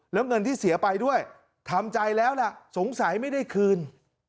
แล้วเงินที่เสียไปด้วยทำใจแล้วล่ะสงสัยไม่ได้คืน